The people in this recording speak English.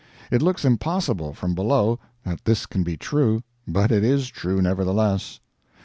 It looks impossible, from below, that this can be true, but it is true, nevertheless.